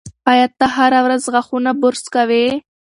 ایا ته هره ورځ غاښونه برس کوې؟